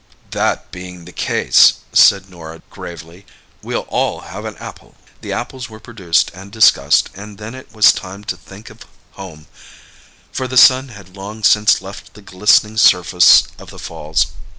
"That being the case," said Norah gravely, "we'll all have an apple." The apples were produced and discussed, and then it was time to think of home, for the sun had long since left the glistening surface of the falls.